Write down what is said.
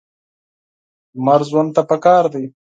لمر ژوند ته پکار دی.